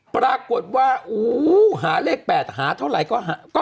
ปรากฏว่าหาเลข๘หาเท่าไหร่ก็หา